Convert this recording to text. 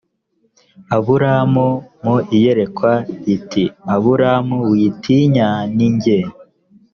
aburamu mu iyerekwa riti aburamu witinya ni jye